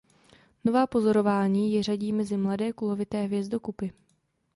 Nová pozorování ji řadí mezi mladé kulové hvězdokupy.